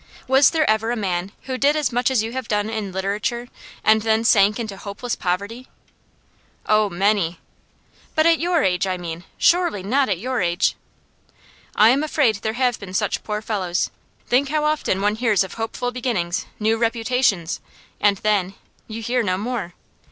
Was there ever a man who did as much as you have done in literature and then sank into hopeless poverty?' 'Oh, many!' 'But at your age, I mean. Surely not at your age?' 'I'm afraid there have been such poor fellows. Think how often one hears of hopeful beginnings, new reputations, and then you hear no more.